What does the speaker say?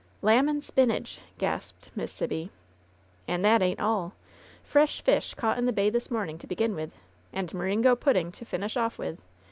"Lamb and spinach!" gasped Miss Sibby. "And that ain't all. Fresh fish, caught in the bay this morning, to begin with. And meringo pudding to finish off with.